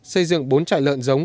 xây dựng bốn trại lợn giống